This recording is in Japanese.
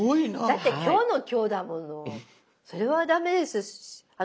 だって今日の今日だもの。それは駄目です。